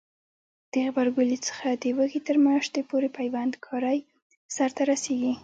د غبرګولي څخه د وږي تر میاشتې پورې پیوند کاری سرته رسیږي.